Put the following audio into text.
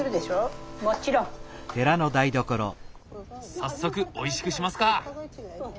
早速おいしくしますか！